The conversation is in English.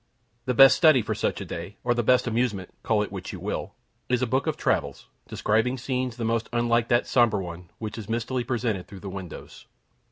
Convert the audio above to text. The best study for such a day, or the best amusement, call it which you will, is a book of travels, describing scenes the most unlike that sombre one, which is mistily presented through the windows.